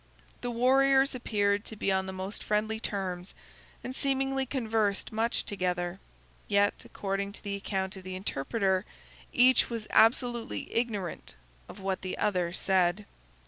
The warriors appeared to be on the most friendly terms, and seemingly conversed much together; yet, according to the account of the interpreter, each was absolutely ignorant of what the other said.